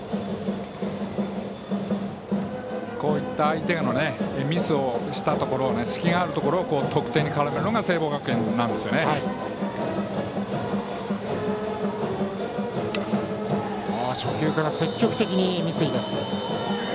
こういった相手がミスをしたところ隙があるところを得点に絡めるのが初球から積極的な三井。